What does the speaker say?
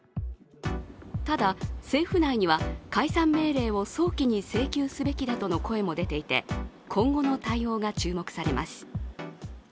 ただ、政府内には解散命令を早期に請求すべきだとの声も出ていて今後の対応が注目されます。